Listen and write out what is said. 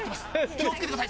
気を付けてください。